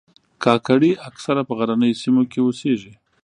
کاکړي اکثره په غرنیو سیمو کې اوسیږي.